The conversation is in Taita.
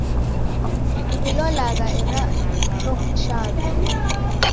Kuw'ilolagha ela ndokuchaa w'iw'ona.